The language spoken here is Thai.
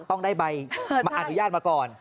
ต้องได้ใบอนุญาตมาก่อน